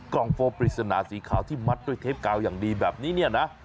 กล่องโฟปริศนาสีขาวที่มัดด้วยเทปกาวอย่างดีแบบนี้เนี่ยนะ